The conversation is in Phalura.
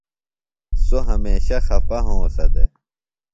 سوۡ ہمیشہ خپہ ہونسہ دےۡ۔